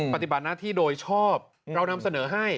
ปฏิบัติหน้าที่โดยชอบเรานำเสนอให้